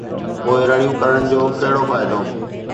پوءِ رڙيون ڪرڻ جو ڪهڙو فائدو؟